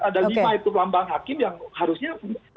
ada lima itu lambang hakim yang harusnya